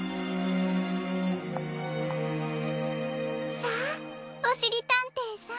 さあおしりたんていさん。